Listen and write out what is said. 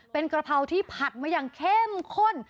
เป็นกะเพราที่ผัดมาอย่างเข้มข้น